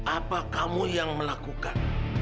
apa kamu yang melakukan